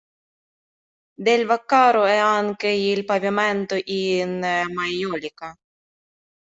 Del Vaccaro è anche il pavimento in maiolica.